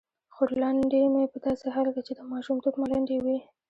خورلنډې مې په داسې حال کې چې د ماشومتوب ملنډې یې وې.